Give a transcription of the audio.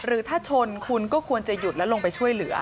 หรือถ้าชนคุณก็ควรจะหยุดและลงไปช่วยเหลือ